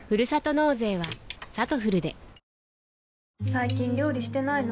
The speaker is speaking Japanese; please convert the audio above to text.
最近料理してないの？